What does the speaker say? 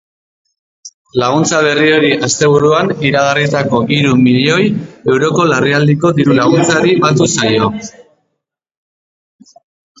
Laguntza berri hori asteburuan iragarritako hiru milioi euroko larrialdiko diru-laguntzari batu zaio.